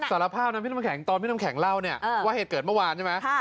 สารภาพนะพี่น้ำแข็งตอนพี่น้ำแข็งเล่าเนี่ยว่าเหตุเกิดเมื่อวานใช่ไหม